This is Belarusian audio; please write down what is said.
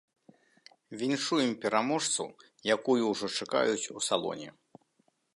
Віншуем пераможцу, якую ўжо чакаюць у салоне.